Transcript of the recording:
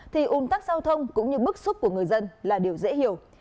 thì ủn tắc giao thông cũng như bức xúc của người dân là điều dễ hiểu